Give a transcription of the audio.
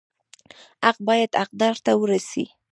حق باید حقدار ته ورسي